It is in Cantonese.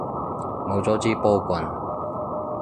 冇咗支波棍